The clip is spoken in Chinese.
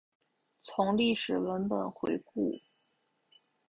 从历史文本回顾